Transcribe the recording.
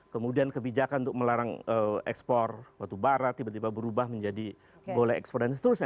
kemudian kebijakan untuk melarang ekspor batubara tiba tiba berubah menjadi boleh ekspor dan seterusnya